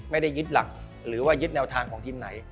ไม่ได้ยึดหลักหรือว่ายึดแนวทางของทีมไหน